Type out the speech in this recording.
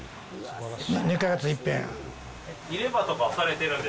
２か月にいっぺん。